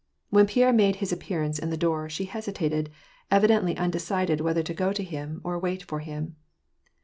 Wh* Pierre made his appearance in the door, she hesitated, ev dently undecided whether to go to him or wait for him.